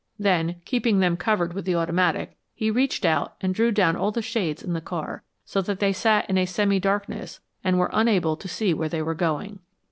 Then, keeping them covered with the automatic, he reached out and drew down all the shades in the car so that they sat in a semi darkness and were unable to see where they were going.